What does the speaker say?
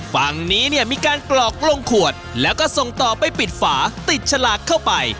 ฝั่งนี้เนี่ยมีการกรอกลงขวดแล้วก็ส่งต่อไปปิดฝาติดฉลากเข้าไป